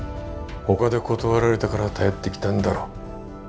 ほかで断られたから頼ってきたんだろ。